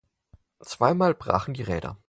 Zweimal brachen die Räder.